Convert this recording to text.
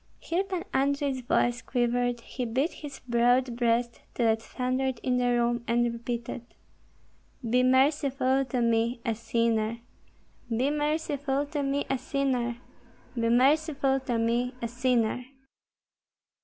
Here Pan Andrei's voice quivered; he beat his broad breast till it thundered in the room, and repeated, "Be merciful to me, a sinner! be merciful to me, a sinner! Be merciful to me, a sinner!"